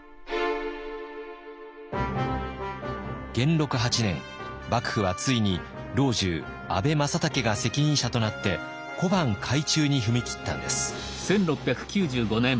元禄８年幕府はついに老中阿部正武が責任者となって小判改鋳に踏み切ったんです。